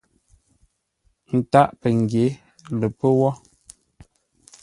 Ntâʼ pəngyě lə́ pə́ wó.